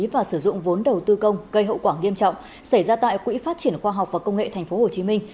và sử dụng vốn đầu tư công gây hậu quả nghiêm trọng xảy ra tại quỹ phát triển khoa học và công nghệ tp hcm